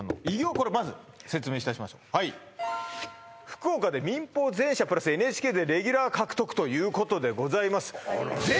これまず説明いたしましょうはい「福岡で民放全社＋ＮＨＫでレギュラー獲得」ということでございます